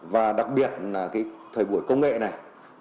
và đặc biệt là thời buổi công nghệ này